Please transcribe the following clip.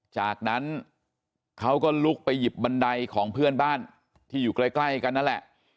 จากนั้นเขาก็ลุกไปหยิบบันไดของเพื่อนบ้านที่อยู่ใกล้กันนั่นแหละ